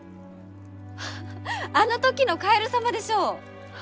フフフあの時のカエル様でしょう？